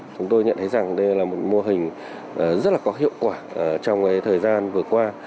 chúng tôi nhận thấy rằng đây là một mô hình rất là có hiệu quả trong thời gian vừa qua